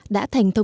đã thành thức